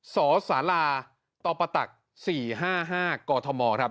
สศตป๔๕๕กมครับ